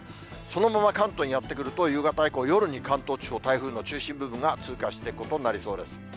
そのまま関東にやって来ると、夕方以降、夜に関東地方、台風の中心部が通過していくことになりそうです。